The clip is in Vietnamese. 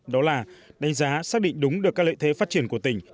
đó là đánh giá xác định đúng được các lợi thế phát triển của tỉnh